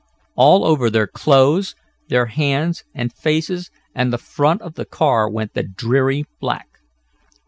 All over their clothes, their hands and faces, and the front of the car went the dreary black.